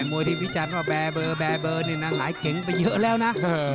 มวยที่พี่จันเป็นแบบเบอร์แบบเบอร์นี่นะหลายเก่งไปเยอะแล้วนะ